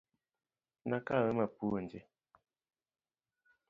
Nakawe mapuonje .